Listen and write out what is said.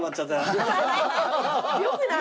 よくない？